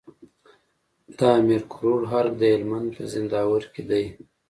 د امير کروړ ارګ د هلمند په زينداور کي دی